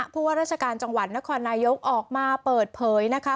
ผู้ว่าราชการจังหวัดนครนายกออกมาเปิดเผยนะคะ